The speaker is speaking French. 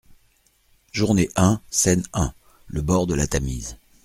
==JOURNEE un SCENE un== Le bord de la Tamise.